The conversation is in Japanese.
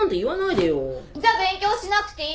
じゃ勉強しなくていいの？